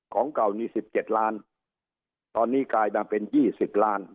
ของเก่านี่๑๗ล้านตอนนี้กลายมาเป็น๒๐ล้าน